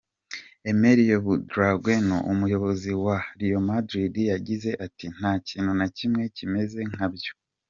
Emilio Butragueno, umuyobozi wa Real Madrid, yagize ati: "Nta kintu na kimwe kimeze nkabyo.